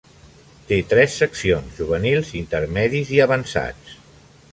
Té tres seccions: juvenils, intermedis i avançats.